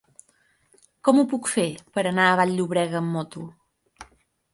Com ho puc fer per anar a Vall-llobrega amb moto?